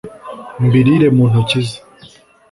mbirīre mu ntoki ze.